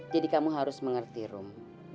jadi kamu harus mengerti rum